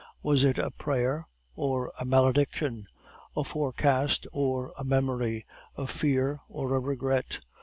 Was it a prayer or a malediction, a forecast or a memory, a fear or a regret?